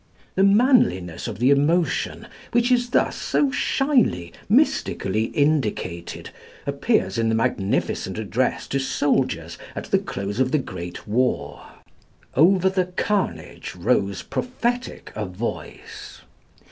The manliness of the emotion, which is thus so shyly, mystically indicated, appears in the magnificent address to soldiers at the close of the great war: "Over the Carnage rose Prophetic a Voice."